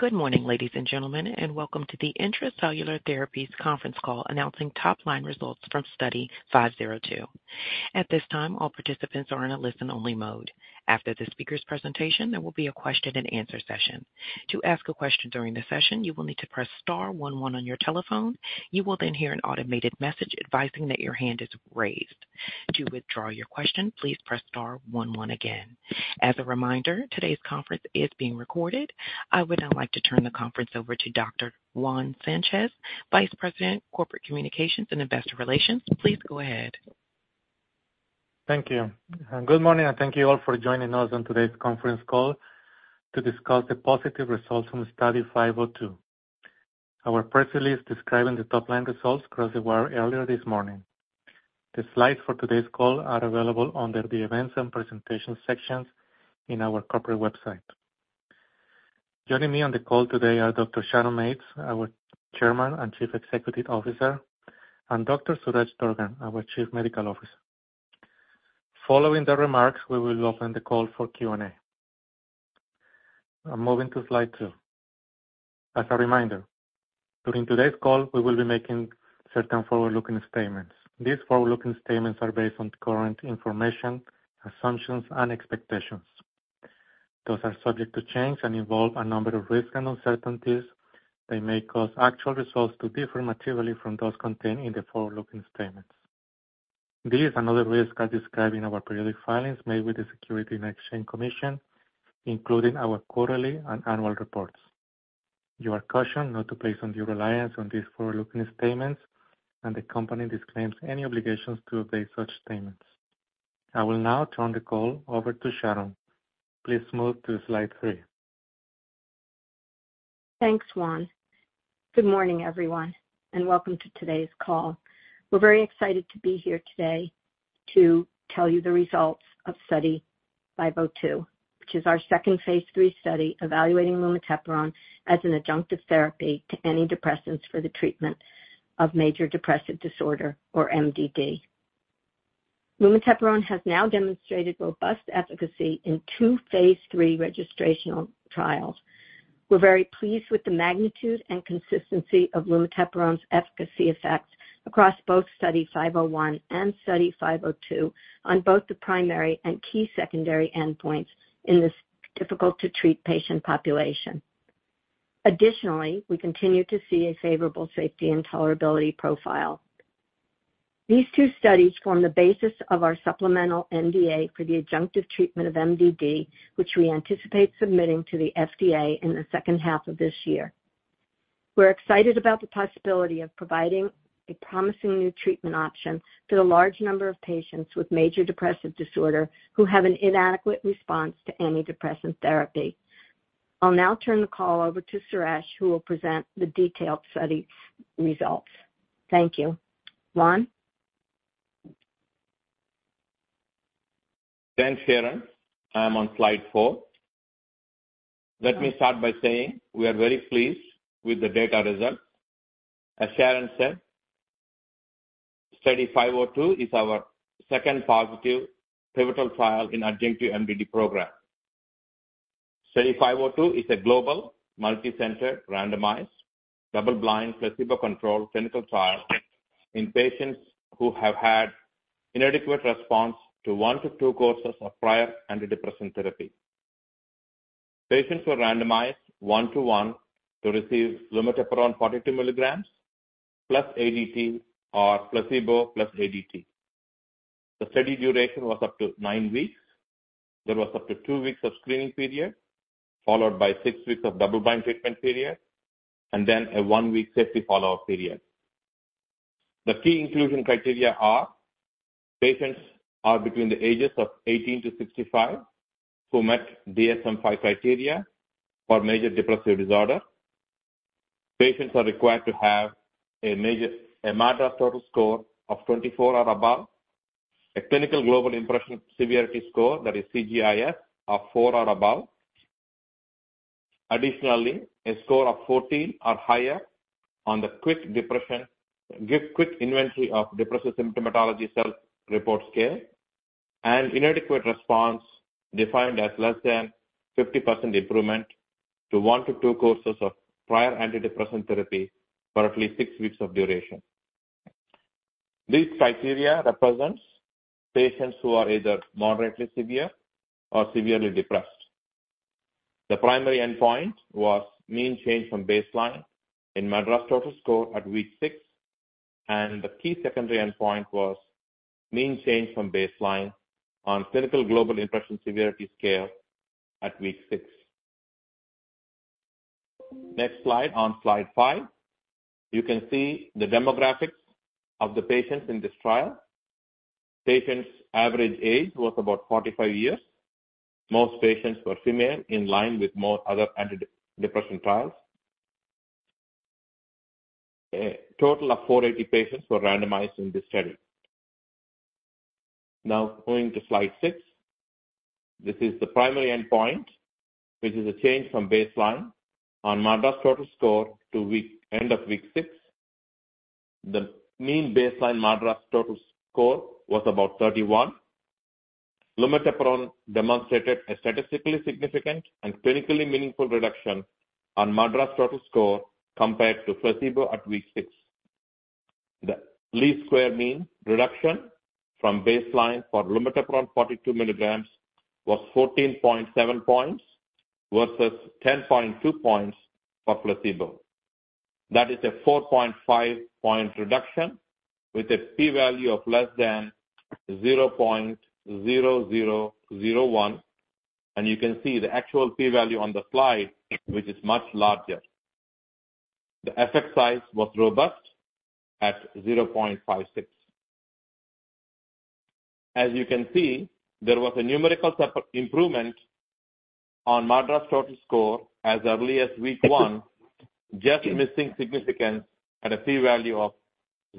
Good morning, ladies and gentlemen, and welcome to the Intra-Cellular Therapies conference call announcing top-line results from Study 502. At this time, all participants are in a listen-only mode. After the speaker's presentation, there will be a question-and-answer session. To ask a question during the session, you will need to press star one one on your telephone. You will then hear an automated message advising that your hand is raised. To withdraw your question, please press star one one again. As a reminder, today's conference is being recorded. I would now like to turn the conference over to Dr. Juan Sanchez, Vice President, Corporate Communications and Investor Relations. Please go ahead. Thank you, and good morning, and thank you all for joining us on today's conference call to discuss the positive results from Study 502. Our press release describing the top-line results crossed the wire earlier this morning. The slides for today's call are available under the Events and Presentation sections in our corporate website. Joining me on the call today are Dr. Sharon Mates, our Chairman and Chief Executive Officer, and Dr. Suresh Durgam, our Chief Medical Officer. Following the remarks, we will open the call for Q&A. I'm moving to slide 2. As a reminder, during today's call, we will be making certain forward-looking statements. These forward-looking statements are based on current information, assumptions, and expectations. Those are subject to change and involve a number of risks and uncertainties that may cause actual results to differ materially from those contained in the forward-looking statements. These and other risks are described in our periodic filings made with the Securities and Exchange Commission, including our quarterly and annual reports. You are cautioned not to place undue reliance on these forward-looking statements, and the company disclaims any obligations to update such statements. I will now turn the call over to Sharon. Please move to slide three. Thanks, Juan. Good morning, everyone, and welcome to today's call. We're very excited to be here today to tell you the results of Study 502, which is our second phase III study evaluating lumateperone as an adjunctive therapy to antidepressants for the treatment of major depressive disorder, or MDD. Lumateperone has now demonstrated robust efficacy in two phase III registrational trials. We're very pleased with the magnitude and consistency of lumateperone's efficacy effects across both Study 501 and Study 502 on both the primary and key secondary endpoints in this difficult-to-treat patient population. Additionally, we continue to see a favorable safety and tolerability profile. These two studies form the basis of our supplemental NDA for the adjunctive treatment of MDD, which we anticipate submitting to the FDA in the second half of this year. We're excited about the possibility of providing a promising new treatment option to the large number of patients with major depressive disorder who have an inadequate response to antidepressant therapy. I'll now turn the call over to Suresh, who will present the detailed study results. Thank you. Juan? Thanks, Sharon. I'm on slide four. Let me start by saying we are very pleased with the data results. As Sharon said, Study 502 is our second positive pivotal trial in adjunctive MDD program. Study 502 is a global, multicenter, randomized, double-blind, placebo-controlled clinical trial in patients who have had inadequate response to 1-2 courses of prior antidepressant therapy. Patients were randomized 1:1 to receive lumateperone 42 milligrams plus ADT or placebo plus ADT. The study duration was up to 9 weeks. There was up to 2 weeks of screening period, followed by 6 weeks of double-blind treatment period, and then a 1-week safety follow-up period. The key inclusion criteria are: patients are between the ages of 18-65, who met DSM-5 criteria for major depressive disorder. Patients are required to have a major... A MADRS total score of 24 or above, a Clinical Global Impression Severity score, that is, CGIS, of 4 or above. Additionally, a score of 14 or higher on the Quick Inventory of Depressive Symptomatology Self-Report Scale, and inadequate response defined as less than 50% improvement to 1-2 courses of prior antidepressant therapy for at least 6 weeks of duration. These criteria represents patients who are either moderately severe or severely depressed. The primary endpoint was mean change from baseline in MADRS total score at week 6, and the key secondary endpoint was mean change from baseline on Clinical Global Impression Severity Scale at week 6. Next slide, on slide 5, you can see the demographics of the patients in this trial. Patients' average age was about 45 years. Most patients were female, in line with most other antidepressant trials. A total of 480 patients were randomized in this study. Now, going to slide 6. This is the primary endpoint, which is a change from baseline on MADRS total score to the end of week 6. The mean baseline MADRS total score was about 31. Lumateperone demonstrated a statistically significant and clinically meaningful reduction on MADRS total score compared to placebo at week 6. The least squares mean reduction from baseline for lumateperone 42 mg was 14.7 points, versus 10.2 points for placebo. That is a 4.5-point reduction with a P value of less than 0.0001, and you can see the actual P value on the slide, which is much larger. The effect size was robust at 0.56. As you can see, there was a numerical separate improvement on MADRS total score as early as week 1, just missing significance at a P value of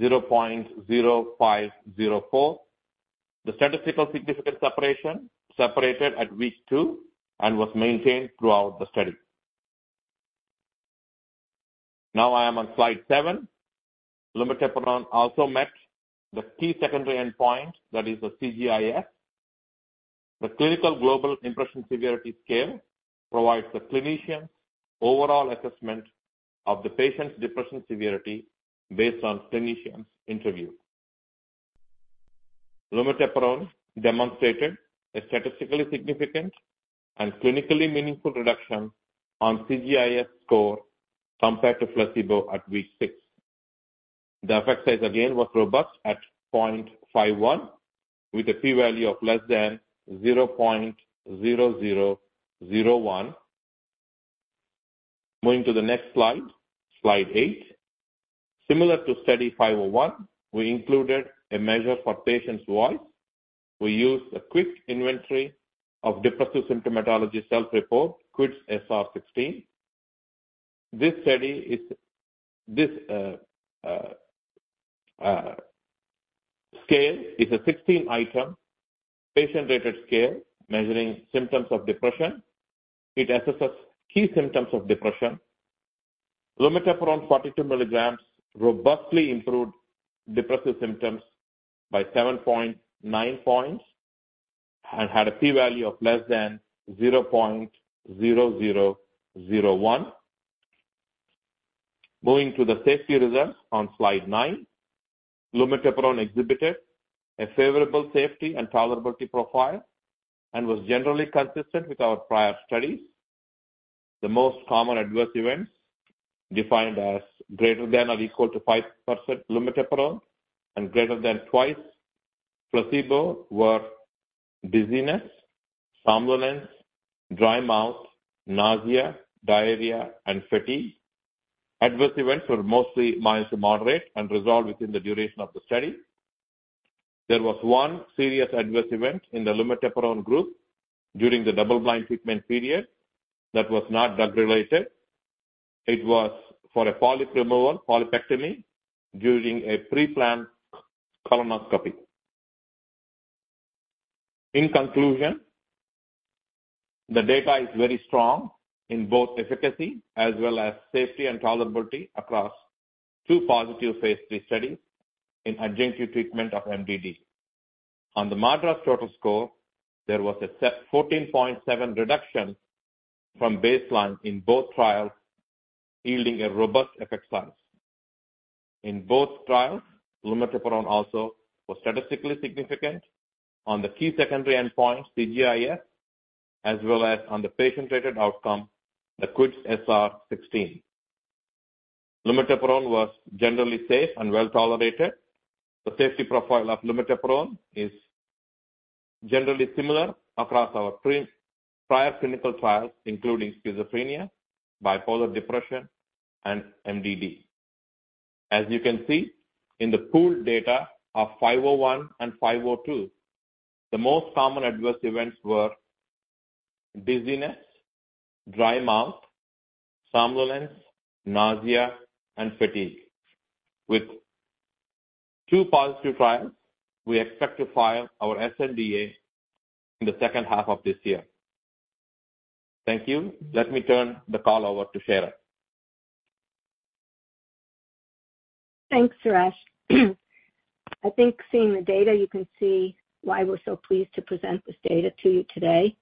0.0504. The statistical significance separation separated at week 2 and was maintained throughout the study. Now I am on slide 7. Lumateperone also met the key secondary endpoint, that is the CGIS. The Clinical Global Impression Severity Scale provides the clinician overall assessment of the patient's depression severity based on clinician's interview. Lumateperone demonstrated a statistically significant and clinically meaningful reduction on CGIS score compared to placebo at week 6. The effect size again, was robust at 0.51, with a P value of less than 0.0001. Moving to the next slide, slide 8. Similar to study 501, we included a measure for patients' voice. We used a Quick Inventory of Depressive Symptomatology Self-Report, QIDS-SR16. This scale is a 16-item, patient-rated scale measuring symptoms of depression. It assesses key symptoms of depression. Lumateperone 42 milligrams robustly improved depressive symptoms by 7.9 points and had a P value of less than 0.0001. Moving to the safety results on slide 9. Lumateperone exhibited a favorable safety and tolerability profile and was generally consistent with our prior studies. The most common adverse events, defined as greater than or equal to 5% lumateperone and greater than twice placebo, were dizziness, somnolence, dry mouth, nausea, diarrhea, and fatigue. Adverse events were mostly mild to moderate and resolved within the duration of the study. There was one serious adverse event in the lumateperone group during the double-blind treatment period that was not drug-related. It was for a polyp removal, polypectomy, during a preplanned colonoscopy. In conclusion, the data is very strong in both efficacy as well as safety and tolerability across two positive phase III studies in adjunctive treatment of MDD. On the MADRS total score, there was a 14.7 reduction from baseline in both trials, yielding a robust effect size. In both trials, lumateperone also was statistically significant on the key secondary endpoint, CGIS, as well as on the patient-rated outcome, the QIDS-SR16. Lumateperone was generally safe and well tolerated. The safety profile of lumateperone is generally similar across our prior clinical trials, including schizophrenia, bipolar depression, and MDD. As you can see, in the pooled data of 501 and 502, the most common adverse events were dizziness, dry mouth, somnolence, nausea, and fatigue. With two positive trials, we expect to file our sNDA in the second half of this year. Thank you. Let me turn the call over to Sharon. Thanks, Suresh. I think seeing the data, you can see why we're so pleased to present this data to you today,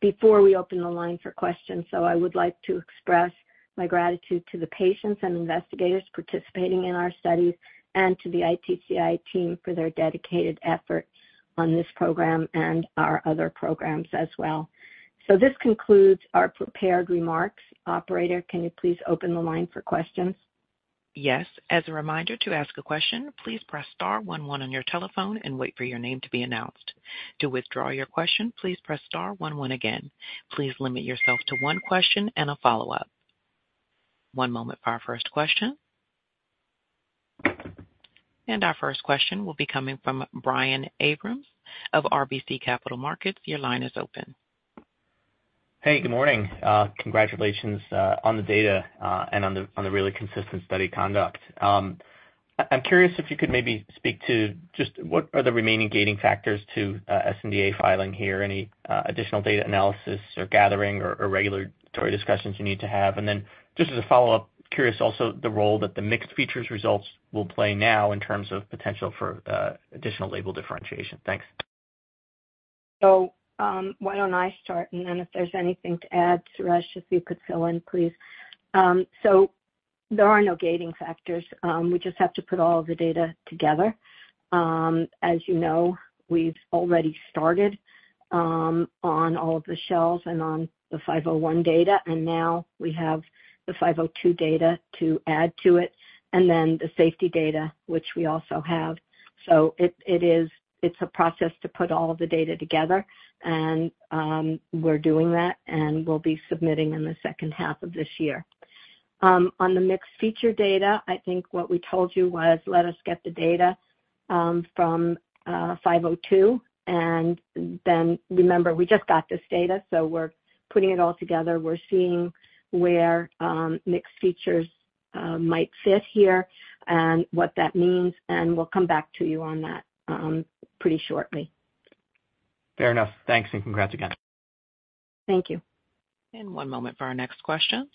before we open the line for questions. I would like to express my gratitude to the patients and investigators participating in our studies and to the ITCI team for their dedicated efforts on this program and our other programs as well. This concludes our prepared remarks. Operator, can you please open the line for questions? Yes. As a reminder, to ask a question, please press star one one on your telephone and wait for your name to be announced. To withdraw your question, please press star one one again. Please limit yourself to one question and a follow-up. One moment for our first question. Our first question will be coming from Brian Abrahams of RBC Capital Markets. Your line is open. Hey, good morning. Congratulations on the data and on the really consistent study conduct. I'm curious if you could maybe speak to just what are the remaining gating factors to sNDA filing here, any additional data analysis or gathering or regulatory discussions you need to have? And then just as a follow-up, curious also, the role that the mixed features results will play now in terms of potential for additional label differentiation. Thanks.... So, why don't I start? And then if there's anything to add, Suresh, if you could fill in, please. So there are no gating factors. We just have to put all the data together. As you know, we've already started, on all of the shells and on the 501 data, and now we have the 502 data to add to it, and then the safety data, which we also have. So it, it is- it's a process to put all of the data together, and, we're doing that, and we'll be submitting in the second half of this year. On the mixed feature data, I think what we told you was, let us get the data, from, 502, and then remember, we just got this data, so we're putting it all together. We're seeing where mixed features might fit here and what that means, and we'll come back to you on that pretty shortly. Fair enough. Thanks, and congrats again. Thank you. One moment for our next question.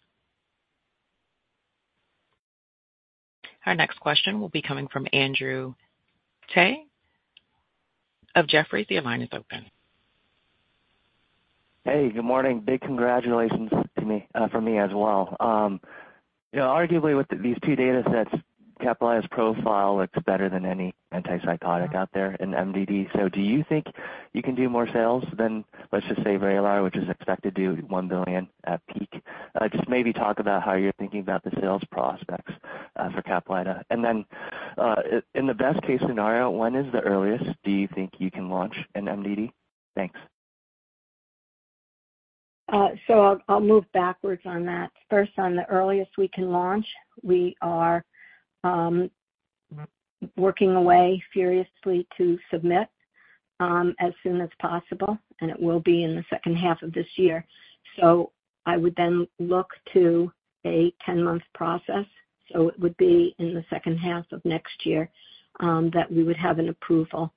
Our next question will be coming from Andrew Tsai of Jefferies. The line is open. Hey, good morning. Big congratulations to me from me as well. You know, arguably, with these two data sets, safety profile looks better than any antipsychotic out there in MDD. So do you think you can do more sales than, let's just say, Vraylar, which is expected to do $1 billion at peak? Just maybe talk about how you're thinking about the sales prospects for Caplyta. And then, in the best case scenario, when is the earliest do you think you can launch an MDD? Thanks. So I'll move backwards on that. First, on the earliest we can launch, we are working away furiously to submit as soon as possible, and it will be in the second half of this year. So I would then look to a 10-month process, so it would be in the second half of next year that we would have an approval.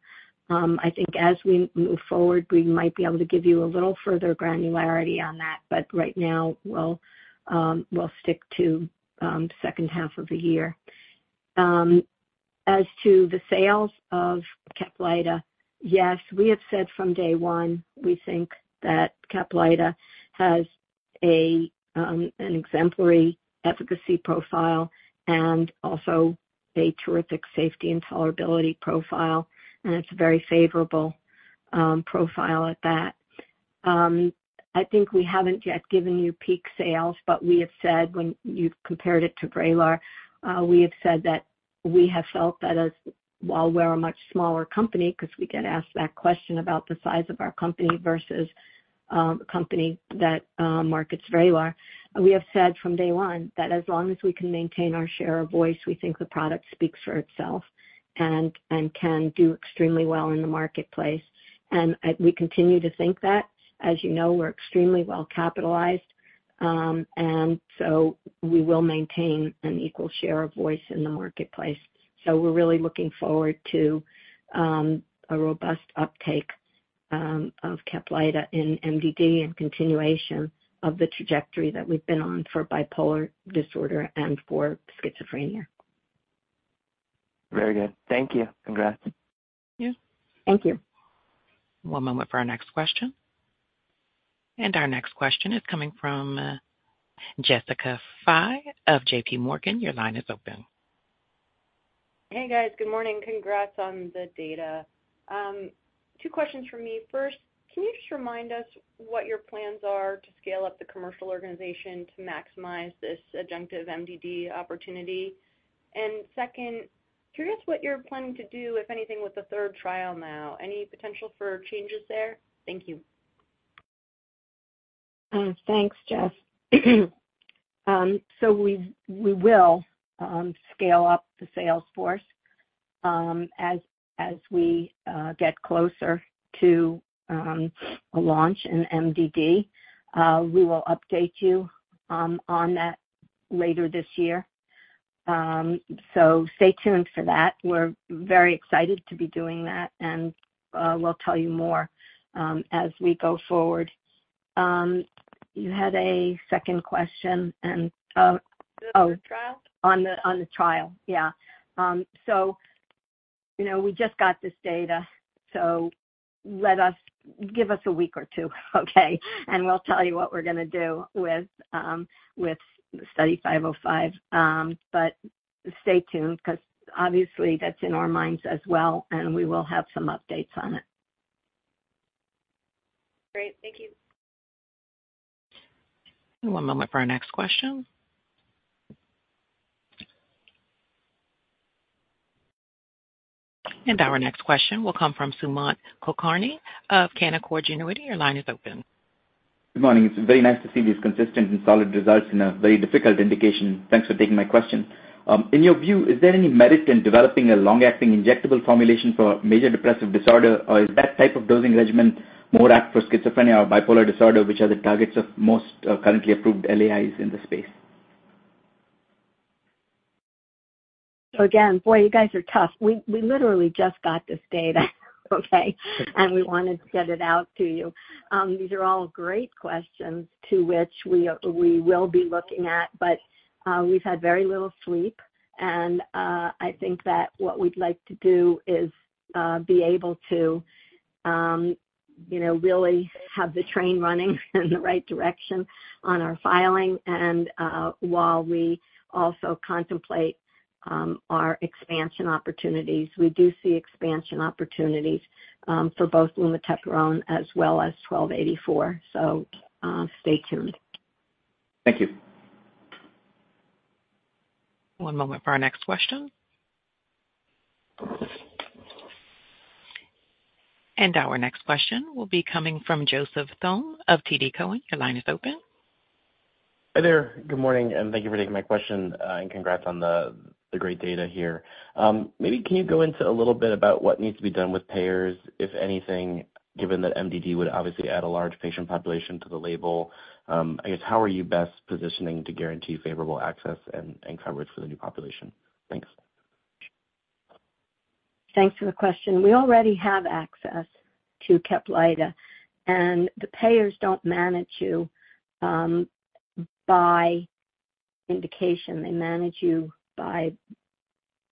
I think as we move forward, we might be able to give you a little further granularity on that, but right now, we'll stick to second half of the year. As to the sales of Caplyta, yes, we have said from day one, we think that Caplyta has an exemplary efficacy profile and also a terrific safety and tolerability profile, and it's a very favorable profile at that. I think we haven't yet given you peak sales, but we have said when you've compared it to Vraylar, we have said that we have felt that as while we're a much smaller company, 'cause we get asked that question about the size of our company versus a company that markets Vraylar. We have said from day one that as long as we can maintain our share of voice, we think the product speaks for itself and can do extremely well in the marketplace. We continue to think that. As you know, we're extremely well capitalized, and so we will maintain an equal share of voice in the marketplace. So we're really looking forward to a robust uptake of Caplyta in MDD and continuation of the trajectory that we've been on for bipolar disorder and for schizophrenia. Very good. Thank you. Congrats. Yeah. Thank you. One moment for our next question. Our next question is coming from Jessica Fye of J.P. Morgan. Your line is open. Hey, guys. Good morning. Congrats on the data. Two questions from me. First, can you just remind us what your plans are to scale up the commercial organization to maximize this adjunctive MDD opportunity? And second, curious what you're planning to do, if anything, with the third trial now. Any potential for changes there? Thank you. Thanks, Jess. So we will scale up the sales force as we get closer to a launch in MDD. We will update you on that later this year. So stay tuned for that. We're very excited to be doing that, and we'll tell you more as we go forward. You had a second question and, oh- The trial. On the trial. Yeah. So, you know, we just got this data, so let us give us a week or two, okay? And we'll tell you what we're gonna do with Study 505. But stay tuned, 'cause obviously, that's in our minds as well, and we will have some updates on it. Great. Thank you. One moment for our next question. Our next question will come from Sumant Kulkarni of Canaccord Genuity. Your line is open. Good morning. It's very nice to see these consistent and solid results in a very difficult indication. Thanks for taking my question. In your view, is there any merit in developing a long-acting injectable formulation for major depressive disorder, or is that type of dosing regimen more apt for schizophrenia or bipolar disorder, which are the targets of most currently approved LAIs in the space? Again, boy, you guys are tough. We literally just got this data, okay? And we wanted to get it out to you. These are all great questions to which we will be looking at, but we've had very little sleep. And I think that what we'd like to do is be able to, you know, really have the train running in the right direction on our filing and while we also contemplate our expansion opportunities. We do see expansion opportunities for both lumateperone as well as 1284. So, stay tuned. Thank you. One moment for our next question. Our next question will be coming from Joseph Thome of TD Cowen. Your line is open. Hi there. Good morning, and thank you for taking my question, and congrats on the great data here. Maybe can you go into a little bit about what needs to be done with payers, if anything, given that MDD would obviously add a large patient population to the label? I guess, how are you best positioning to guarantee favorable access and coverage for the new population? Thanks. Thanks for the question. We already have access to Caplyta, and the payers don't manage you by indication. They manage you by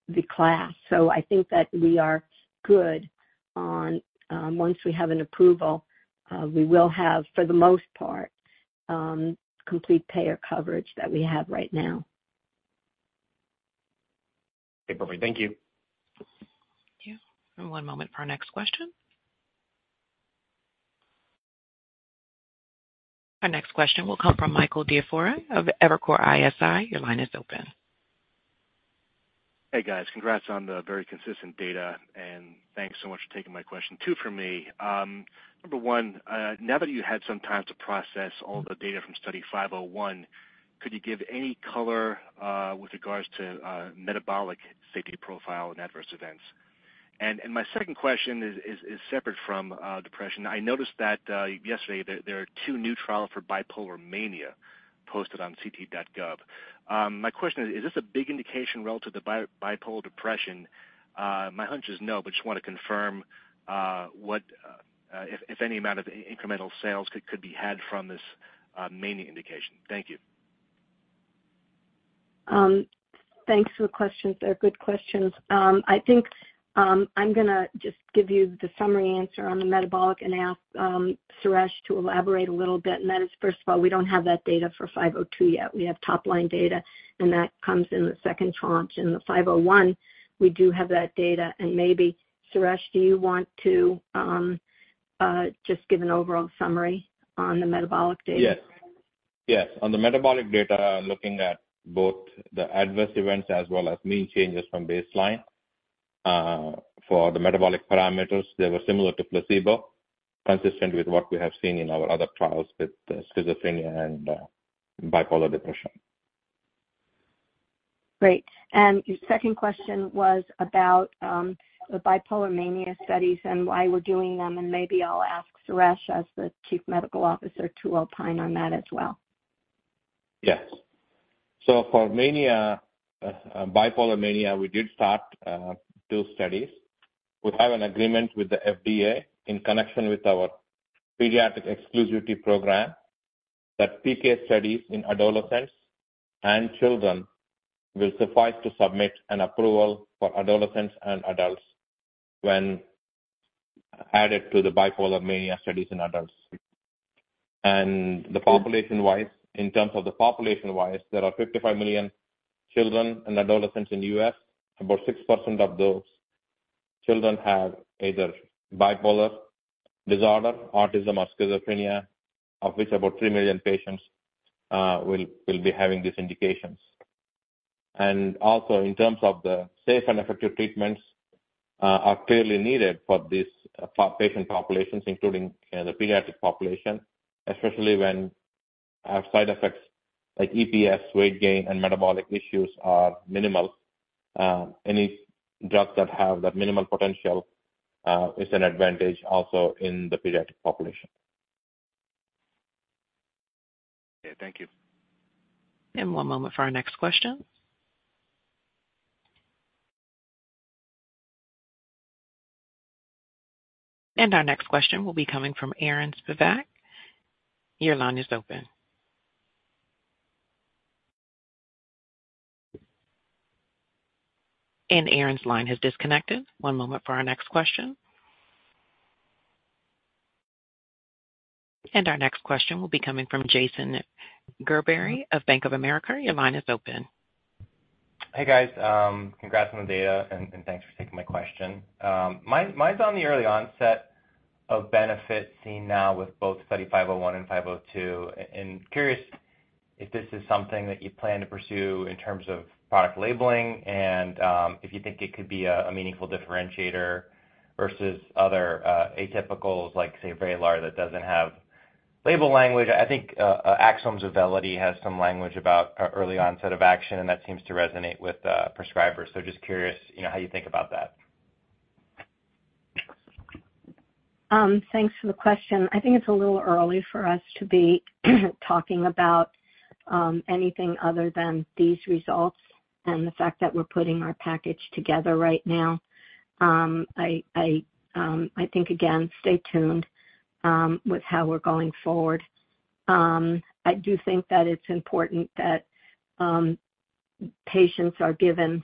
the class. So I think that we are good on. Once we have an approval, we will have, for the most part, complete payer coverage that we have right now. Okay, perfect. Thank you. Thank you. One moment for our next question. Our next question will come from Michael DiFiore of Evercore ISI. Your line is open. Hey, guys. Congrats on the very consistent data, and thanks so much for taking my question. 2 for me. Number 1, now that you had some time to process all the data from Study 501, could you give any color with regards to metabolic safety profile and adverse events? And my second question is separate from depression. I noticed that yesterday there are 2 new trials for bipolar mania posted on ct.gov. My question is: Is this a big indication relative to bipolar depression? My hunch is no, but just want to confirm what if any amount of incremental sales could be had from this mania indication. Thank you. Thanks for the questions. They're good questions. I think, I'm gonna just give you the summary answer on the metabolic and ask, Suresh to elaborate a little bit. And that is, first of all, we don't have that data for 502 yet. We have top-line data, and that comes in the second tranche. In the 501, we do have that data. And maybe, Suresh, do you want to just give an overall summary on the metabolic data? Yes. Yes. On the metabolic data, looking at both the adverse events as well as mean changes from baseline, for the metabolic parameters, they were similar to placebo, consistent with what we have seen in our other trials with schizophrenia and bipolar depression. Great. And your second question was about the bipolar mania studies and why we're doing them, and maybe I'll ask Suresh as the Chief Medical Officer to opine on that as well. Yes. So for mania, bipolar mania, we did start two studies. We have an agreement with the FDA in connection with our pediatric exclusivity program, that PK studies in adolescents and children will suffice to submit an approval for adolescents and adults when added to the bipolar mania studies in adults. And population-wise, in terms of the population, there are 55 million children and adolescents in the U.S. About 6% of those children have either bipolar disorder, autism, or schizophrenia, of which about 3 million patients will be having these indications. And also, in terms of safe and effective treatments are clearly needed for these patient populations, including the pediatric population, especially when side effects like EPS, weight gain, and metabolic issues are minimal. Any drugs that have that minimal potential is an advantage also in the pediatric population. Okay, thank you. One moment for our next question. Our next question will be coming from Aaron Spivak. Your line is open. Aaron's line has disconnected. One moment for our next question. Our next question will be coming from Jason Gerberry of Bank of America. Your line is open. Hey, guys, congrats on the data, and thanks for taking my question. Mine's on the early onset of benefit seen now with both Study 501 and 502. And curious if this is something that you plan to pursue in terms of product labeling, and if you think it could be a meaningful differentiator versus other atypicals, like, say, Vraylar, that doesn't have label language. I think Axsome's Auvelity has some language about early onset of action, and that seems to resonate with prescribers. So just curious, you know, how you think about that. Thanks for the question. I think it's a little early for us to be talking about anything other than these results and the fact that we're putting our package together right now. I think, again, stay tuned with how we're going forward. I do think that it's important that patients are given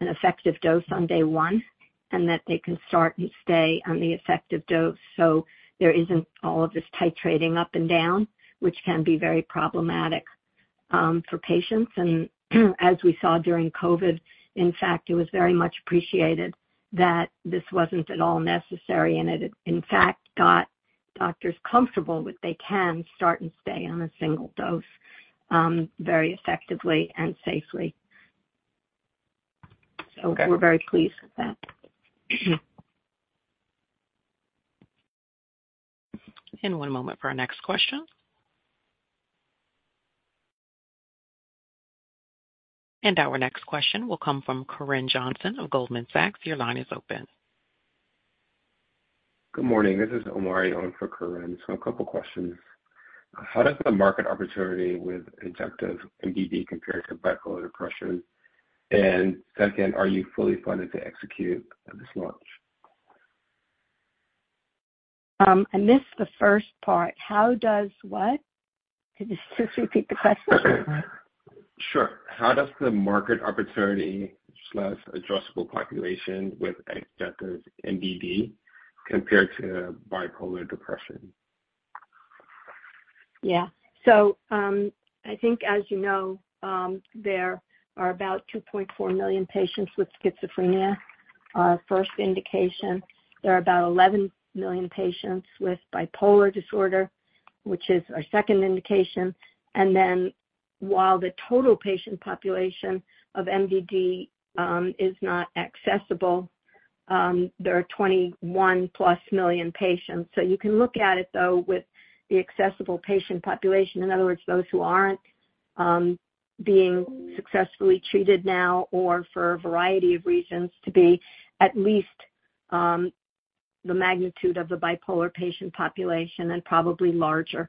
an effective dose on day one, and that they can start and stay on the effective dose, so there isn't all of this titrating up and down, which can be very problematic for patients. And as we saw during COVID, in fact, it was very much appreciated that this wasn't at all necessary, and it, in fact, got doctors comfortable with they can start and stay on a single dose very effectively and safely. So we're very pleased with that. One moment for our next question. Our next question will come from Corinne Jenkins of Goldman Sachs. Your line is open. Good morning. This is Omari on for Corinne. A couple questions: How does the market opportunity with adjunctive MDD compare to bipolar depression? And second, are you fully funded to execute this launch? I missed the first part. How does what? Could you just repeat the question? Sure. How does the market opportunity slash addressable population with adjunctive MDD compare to bipolar depression? Yeah. So, I think, as you know, there are about 2.4 million patients with schizophrenia, our first indication. There are about 11 million patients with bipolar disorder, which is our second indication. And then, while the total patient population of MDD is not accessible, there are 21+ million patients. So you can look at it, though, with the accessible patient population. In other words, those who aren't being successfully treated now or for a variety of reasons, to be at least the magnitude of the bipolar patient population and probably larger.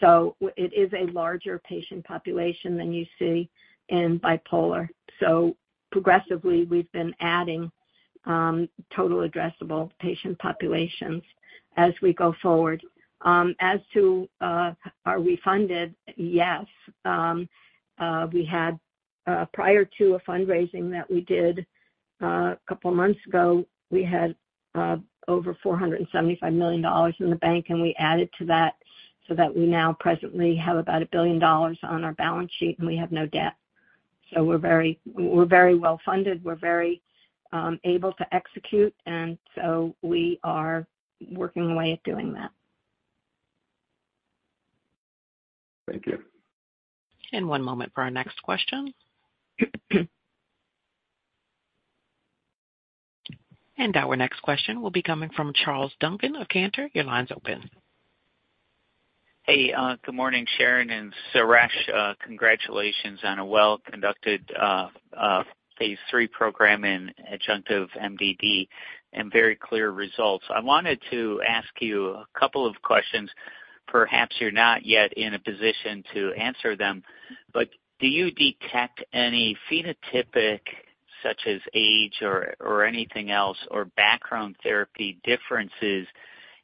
So it is a larger patient population than you see in bipolar. So progressively, we've been adding total addressable patient populations as we go forward. As to, are we funded? Yes. We had, prior to a fundraising that we did a couple of months ago, we had over $475 million in the bank, and we added to that, so that we now presently have about $1 billion on our balance sheet, and we have no debt. So we're very, we're very well funded. We're very able to execute, and so we are working away at doing that. Thank you. One moment for our next question. Our next question will be coming from Charles Duncan of Cantor. Your line's open. Hey, good morning, Sharon and Suresh. Congratulations on a well-conducted phase III program in adjunctive MDD and very clear results. I wanted to ask you a couple of questions. Perhaps you're not yet in a position to answer them, but do you detect any phenotypic, such as age or, or anything else, or background therapy differences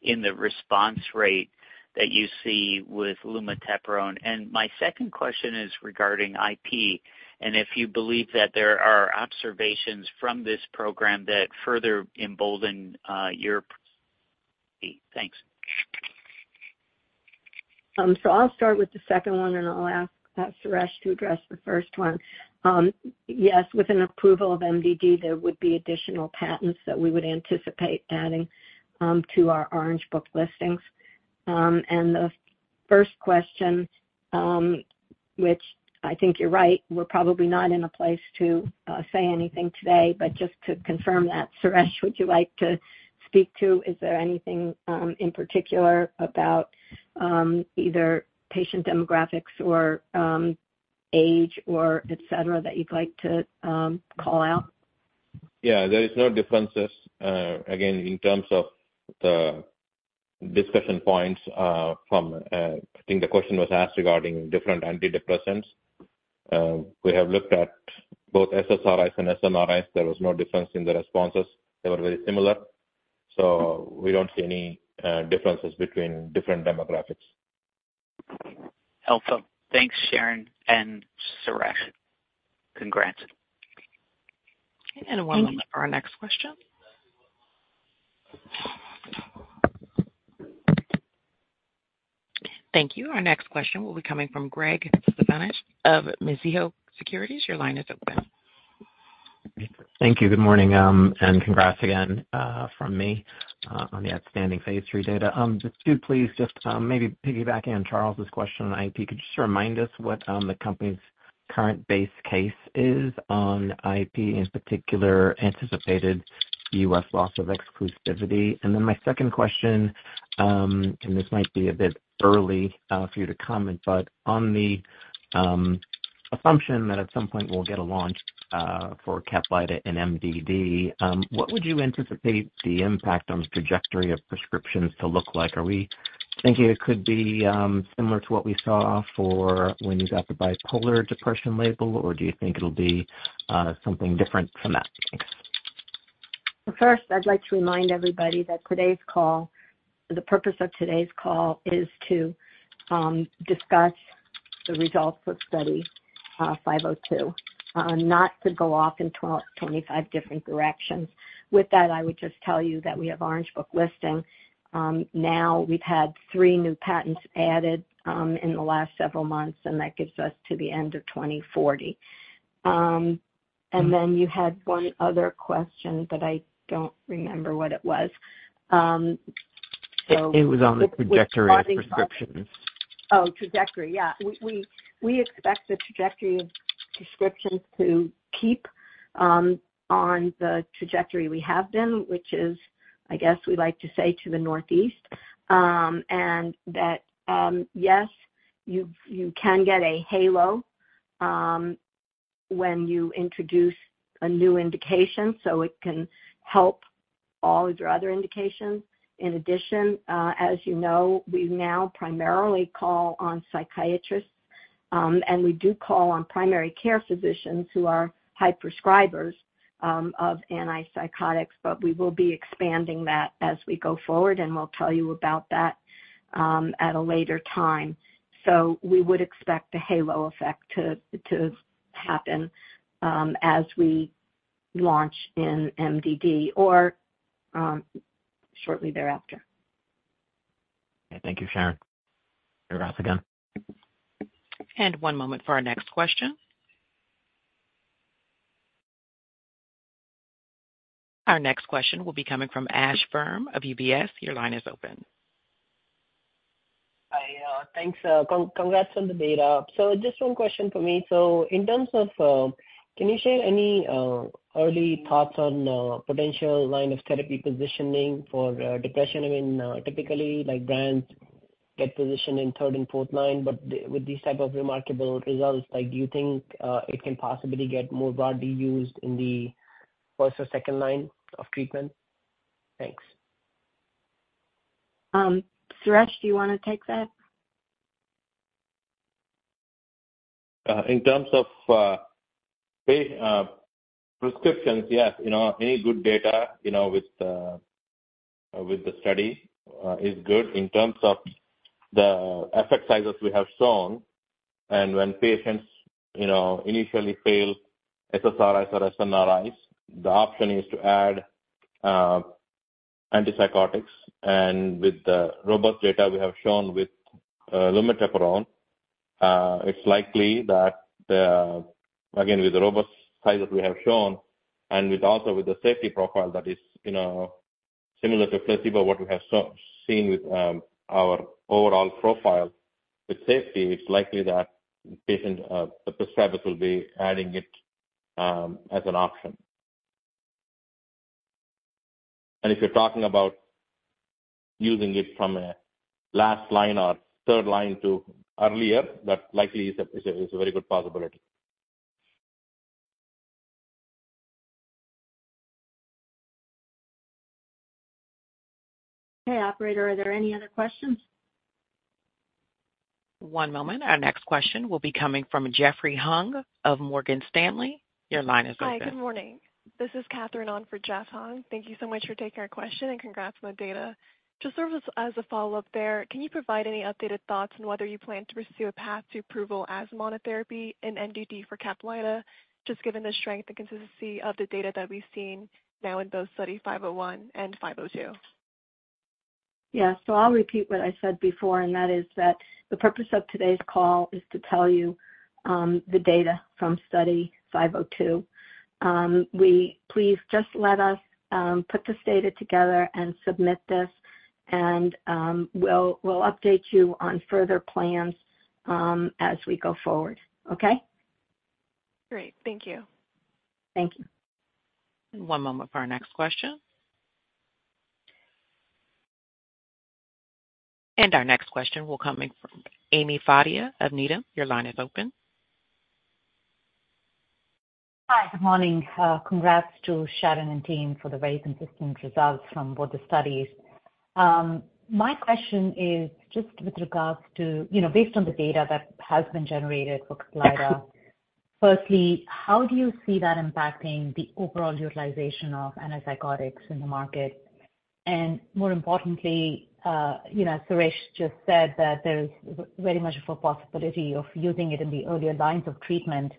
in the response rate that you see with lumateperone? And my second question is regarding IP, and if you believe that there are observations from this program that further embolden your- Thanks. So I'll start with the second one, and I'll ask Suresh to address the first one. Yes, with an approval of MDD, there would be additional patents that we would anticipate adding to our Orange Book listings. And the first question, which I think you're right, we're probably not in a place to say anything today, but just to confirm that, Suresh, would you like to speak to, is there anything in particular about either patient demographics or age or et cetera, that you'd like to call out? Yeah, there is no differences. Again, in terms of the discussion points, from, I think the question was asked regarding different antidepressants. We have looked at both SSRIs and SNRIs. There was no difference in the responses. They were very similar, so we don't see any, differences between different demographics. Awesome. Thanks, Sharon and Suresh. Congrats. One moment for our next question. Thank you. Our next question will be coming from Graig Suvannavejh, of Mizuho Securities. Your line is open. Thank you. Good morning, and congrats again from me on the outstanding phase III data. Just maybe piggybacking on Charles' question on IP, could you just remind us what the company's current base case is on IP, in particular, anticipated U.S. loss of exclusivity? And then my second question, and this might be a bit early for you to comment, but on the assumption that at some point we'll get a launch for Caplyta and MDD, what would you anticipate the impact on the trajectory of prescriptions to look like? Are we thinking it could be similar to what we saw for when you got the bipolar depression label, or do you think it'll be something different from that? Thanks.... Well, first, I'd like to remind everybody that today's call, the purpose of today's call is to discuss the results of Study 502, not to go off in 25 different directions. With that, I would just tell you that we have Orange Book listing. Now we've had three new patents added in the last several months, and that gets us to the end of 2040. And then you had one other question that I don't remember what it was. So- It was on the trajectory of prescriptions. Oh, trajectory. Yeah. We expect the trajectory of prescriptions to keep on the trajectory we have been, which is, I guess, we like to say, to the northeast. And that, yes, you can get a halo when you introduce a new indication, so it can help all of your other indications. In addition, as you know, we now primarily call on psychiatrists, and we do call on primary care physicians who are high prescribers of antipsychotics, but we will be expanding that as we go forward, and we'll tell you about that at a later time. So we would expect the halo effect to happen as we launch in MDD or shortly thereafter. Okay. Thank you, Sharon. You're off again. One moment for our next question. Our next question will be coming from Ashwani Verma of UBS. Your line is open. Hi, thanks, congrats on the data. Just one question for me. In terms of, can you share any early thoughts on potential line of therapy positioning for depression? I mean, typically, like, brands get positioned in third and fourth line, but with these type of remarkable results, like, do you think it can possibly get more broadly used in the first or second line of treatment? Thanks. Suresh, do you wanna take that? In terms of new prescriptions, yes. You know, any good data, you know, with the study, is good in terms of the effect sizes we have shown. And when patients, you know, initially fail SSRIs or SNRIs, the option is to add antipsychotics. And with the robust data we have shown with lumateperone, it's likely that the, again, with the robust sizes we have shown and with also with the safety profile that is, you know, similar to placebo, what we have seen with our overall profile. With safety, it's likely that the prescribers will be adding it as an option. And if you're talking about using it from a last line or third line to earlier, that likely is a very good possibility. Hey, operator, are there any other questions? One moment. Our next question will be coming from Jeffrey Hung of Morgan Stanley. Your line is open. Hi, good morning. This is Catherine on for Jeff Hung. Thank you so much for taking our question, and congrats on the data. To serve as a follow-up there, can you provide any updated thoughts on whether you plan to pursue a path to approval as monotherapy in MDD for Caplyta, just given the strength and consistency of the data that we've seen now in both study 501 and 502? Yeah. So I'll repeat what I said before, and that is that the purpose of today's call is to tell you, the data from Study 502. Please just let us put this data together and submit this, and we'll update you on further plans as we go forward. Okay? Great. Thank you. Thank you. One moment for our next question. Our next question is coming from Ami Fadia of Needham. Your line is open. Hi, good morning. Congrats to Sharon and team for the very consistent results from both the studies. My question is just with regards to, you know, based on the data that has been generated for Caplyta. Firstly, how do you see that impacting the overall utilization of antipsychotics in the market? And more importantly, you know, Suresh just said that there is very much a possibility of using it in the earlier lines of treatment.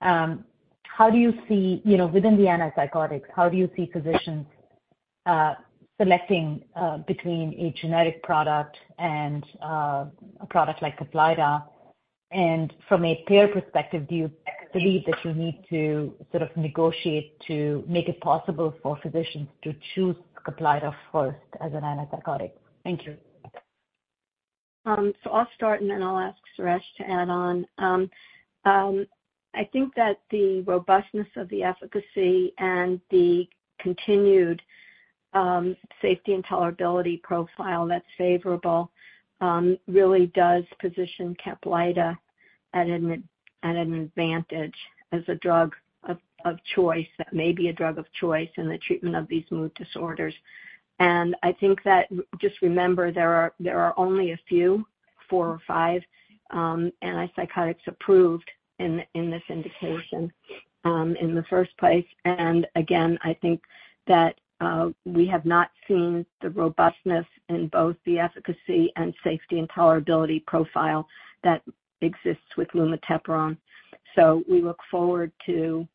How do you see, you know, within the antipsychotics, how do you see physicians selecting between a generic product and a product like Caplyta? And from a payer perspective, do you believe that you need to sort of negotiate to make it possible for physicians to choose Caplyta first as an antipsychotic? Thank you. So I'll start, and then I'll ask Suresh to add on. I think that the robustness of the efficacy and the continued safety and tolerability profile that's favorable really does position Caplyta at an advantage as a drug of choice that may be a drug of choice in the treatment of these mood disorders. And I think that just remember, there are only four or five antipsychotics approved in this indication in the first place. And again, I think that we have not seen the robustness in both the efficacy and safety and tolerability profile that exists with lumateperone. So we look forward to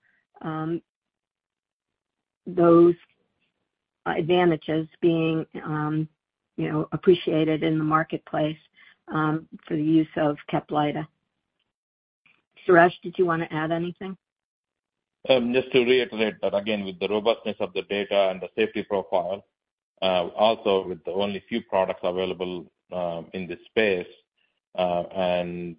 those advantages being you know appreciated in the marketplace for the use of Caplyta. Suresh, did you want to add anything? Just to reiterate that again, with the robustness of the data and the safety profile, also with the only few products available, in this space, and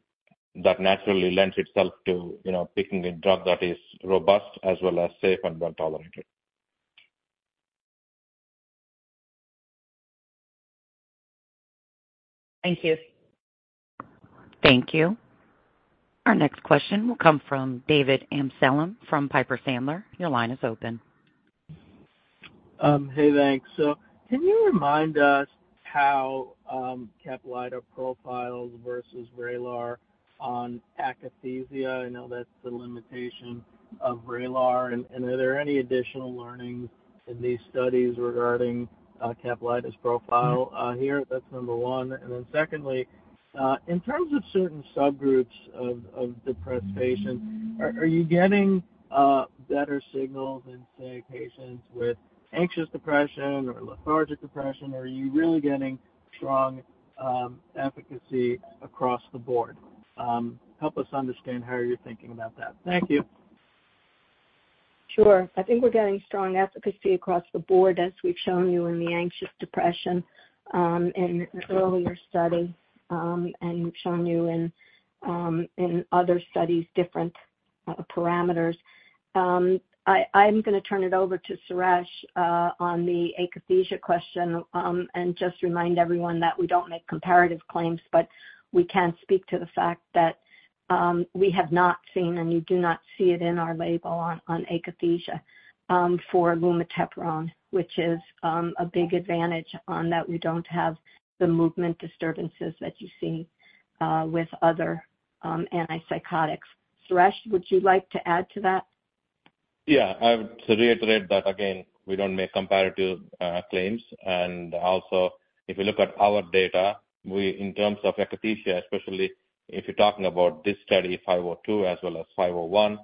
that naturally lends itself to, you know, picking a drug that is robust as well as safe and well-tolerated. Thank you. Thank you. Our next question will come from David Amsellem from Piper Sandler. Your line is open. Hey, thanks. So can you remind us how Caplyta profiles versus Vraylar on akathisia? I know that's the limitation of Vraylar. And are there any additional learnings in these studies regarding Caplyta's profile here? That's number one. And then secondly, in terms of certain subgroups of depressed patients, are you getting better signals in, say, patients with anxious depression or lethargic depression, or are you really getting strong efficacy across the board? Help us understand how you're thinking about that. Thank you. Sure. I think we're getting strong efficacy across the board, as we've shown you in the anxious depression, in an earlier study, and we've shown you in, in other studies, different parameters. I'm gonna turn it over to Suresh, on the akathisia question. Just remind everyone that we don't make comparative claims, but we can speak to the fact that, we have not seen, and you do not see it in our label on akathisia, for lumateperone, which is a big advantage on that. We don't have the movement disturbances that you see, with other antipsychotics. Suresh, would you like to add to that? Yeah, I would reiterate that again, we don't make comparative claims. And also, if you look at our data, we, in terms of akathisia, especially if you're talking about this study, 502 as well as 501,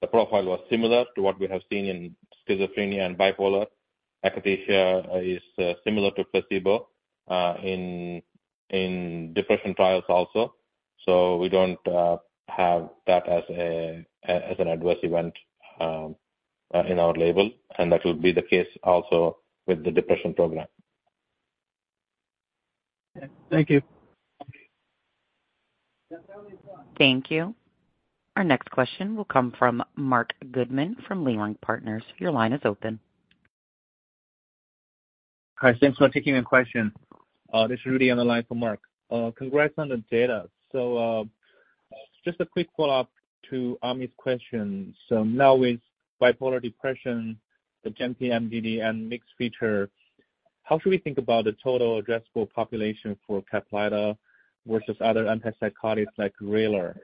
the profile was similar to what we have seen in schizophrenia and bipolar. Akathisia is similar to placebo in depression trials also. So we don't have that as a as an adverse event in our label, and that will be the case also with the depression program. Thank you. Thank you. Our next question will come from Marc Goodman from Leerink Partners. Your line is open. Hi, thanks for taking the question. This is Rudy on the line for Marc. Congrats on the data. So, just a quick follow-up to Ami's question. So now with bipolar depression, the MDD and mixed feature, how should we think about the total addressable population for Caplyta versus other antipsychotics like Vraylar?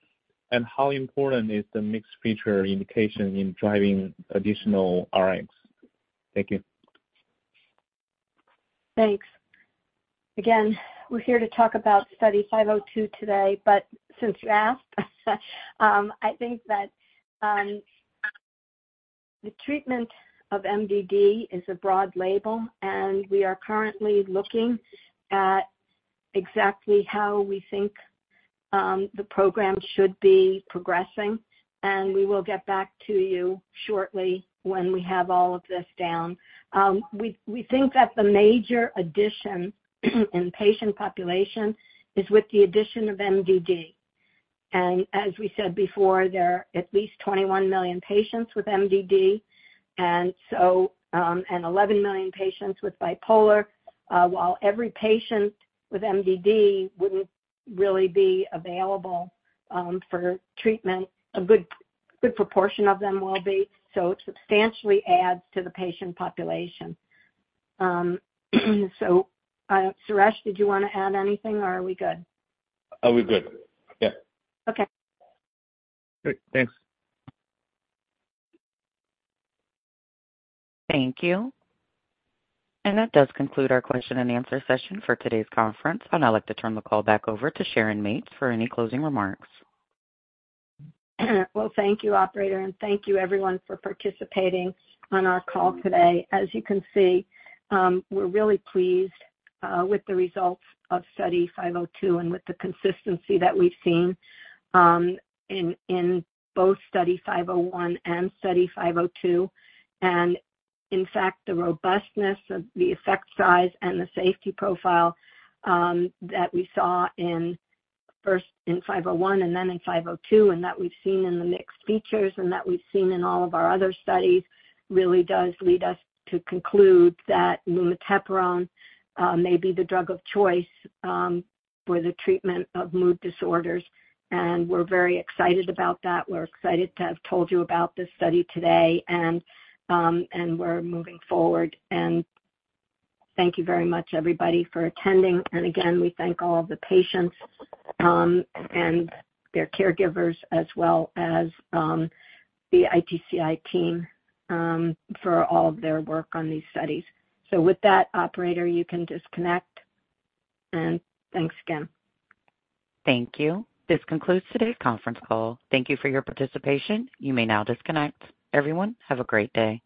And how important is the mixed feature indication in driving additional RX? Thank you. Thanks. Again, we're here to talk about Study 502 today, but since you asked, I think that the treatment of MDD is a broad label, and we are currently looking at exactly how we think the program should be progressing. And we will get back to you shortly when we have all of this down. We think that the major addition in patient population is with the addition of MDD. And as we said before, there are at least 21 million patients with MDD, and so, and 11 million patients with bipolar. While every patient with MDD wouldn't really be available for treatment, a good proportion of them will be. So it substantially adds to the patient population. So, Suresh, did you wanna add anything, or are we good? Are we good? Yeah. Okay. Great. Thanks. Thank you. That does conclude our question and answer session for today's conference, and I'd like to turn the call back over to Sharon Mates for any closing remarks. Well, thank you, operator, and thank you everyone for participating on our call today. As you can see, we're really pleased with the results of study 502 and with the consistency that we've seen in both study 501 and study 502. And in fact, the robustness of the effect size and the safety profile that we saw in first in 501 and then in 502, and that we've seen in the mixed features, and that we've seen in all of our other studies, really does lead us to conclude that lumateperone may be the drug of choice for the treatment of mood disorders. And we're very excited about that. We're excited to have told you about this study today. And, and we're moving forward. And thank you very much, everybody, for attending. And again, we thank all of the patients and their caregivers, as well as the ITCI team, for all of their work on these studies. So with that, operator, you can disconnect. And thanks again. Thank you. This concludes today's conference call. Thank you for your participation. You may now disconnect. Everyone, have a great day.